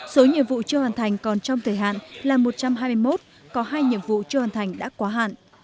số nhiệm vụ chưa hoàn thành còn trong thời hạn là một trăm hai mươi một có hai nhiệm vụ chưa hoàn thành đã quá hạn